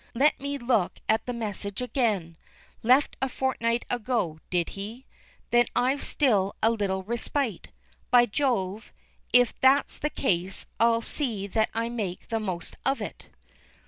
Let me look at the message again. Left a fortnight ago, did he? Then I've still a little respite. By Jove, if that's the case, I'll see that I make the most of it."